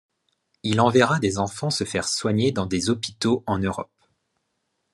Il enverra des enfants se faire soigner dans des hôpitaux en Europe.